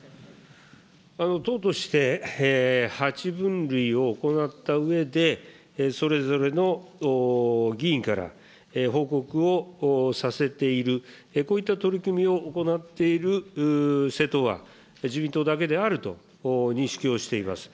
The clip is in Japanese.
党として８分類を行ったうえで、それぞれの議員から報告をさせている、こういった取り組みを行っている政党は、自民党だけであると認識をしています。